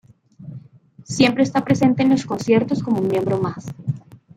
Siempre está presente en los conciertos como un miembro más.